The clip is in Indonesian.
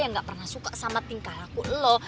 yang gak pernah suka sama tingkah aku lo